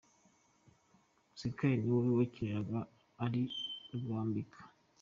Skizzy ni we wakinaga ari Rwambika.